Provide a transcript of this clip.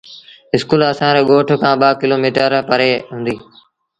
اسڪول اسآݩ ري ڳوٺ کآݩ ٻآ ڪلو ميٚٽر پري هُݩديٚ۔